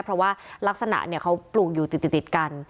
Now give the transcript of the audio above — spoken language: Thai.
เพราะว่าลักษณะเขาปลูกอยู่ติดกัน